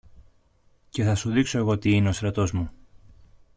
και θα σου δείξω εγώ τι είναι ο στρατός μου.